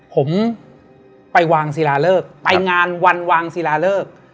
ผมไปวางศิลาเลิกไปงานวันวางศิลาเลิก